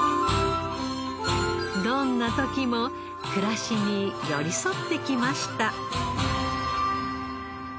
どんな時も暮らしに寄り添ってきました。